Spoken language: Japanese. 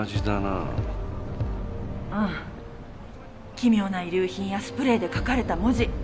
奇妙な遺留品やスプレーで書かれた文字。